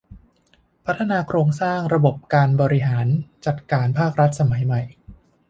พัฒนาโครงสร้างระบบการบริหารจัดการภาครัฐสมัยใหม่